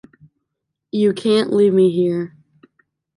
You can't leave me here.